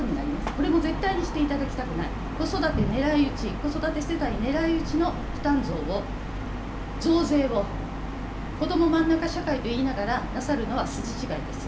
これも絶対にしていただきたくない、子育てねらい撃ち、子育て世帯ねらい撃ちの負担増を、増税を、こどもまんなか社会と言いながらなさるのは筋違いです。